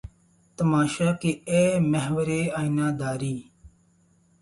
تماشا کہ اے محوِ آئینہ داری!